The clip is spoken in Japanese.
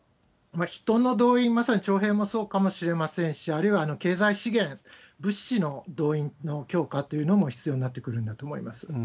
人の動員、まさに徴兵もそうかもしれませんし、あるいは経済資源、物資の動員の強化というのも必要になってくるんだと思います。